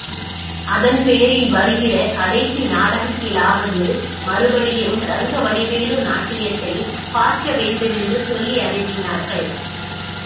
அதன்பேரில் வருகிற கடைசி நாடகத்திலாவது மறுபடியும் ரங்கவடிவேலு நாட்டியத்தைப் பார்க்க வேண்டுமென்று சொல்லியனுப்பினார்கள்.